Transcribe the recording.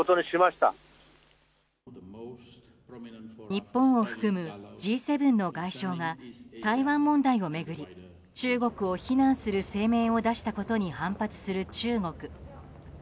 日本を含むＧ７の外相が台湾問題を巡り、中国を非難する声明を出したことに反発する中国。